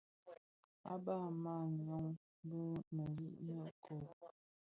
À bab a màa nyɔng bi mëli mɛ kob.